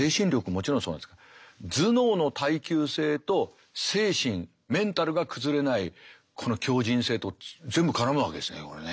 もちろんそうなんですけど頭脳の耐久性と精神メンタルが崩れないこの強じん性と全部絡むわけですねこれね。